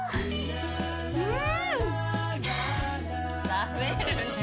食べるねぇ。